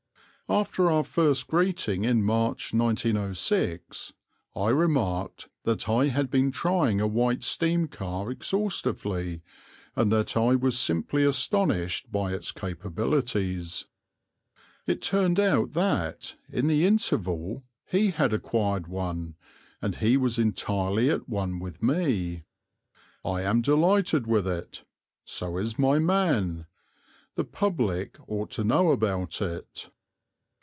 After our first greeting in March, 1906, I remarked that I had been trying a White steam car exhaustively, and that I was simply astonished by its capabilities. It turned out that, in the interval, he had acquired one, and he was entirely at one with me. "I am delighted with it; so is my man; the public ought to know about it."